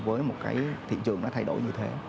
với một cái thị trường nó thay đổi như thế